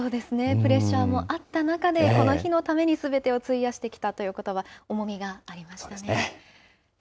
プレッシャーもあった中で、この日のためにすべてを費やしてきたということば、重みがありましたね。